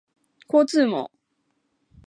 交通網